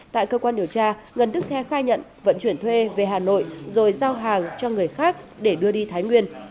tại cơ quan điều tra ngân đức the khai nhận vận chuyển thuê về hà nội rồi giao hàng cho người khác để đưa đi thái nguyên